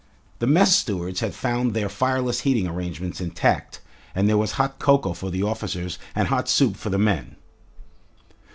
The mess stewards had found their fireless heating arrangements intact, and there was hot cocoa for the officers and hot soup for the men.